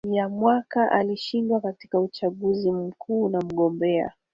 ya Mwaka alishindwa katika uchaguzi mkuu na mgombea